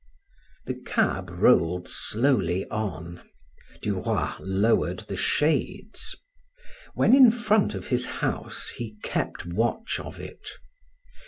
The cab rolled slowly on; Du Roy lowered the shades. When in front of his house, he kept watch of it.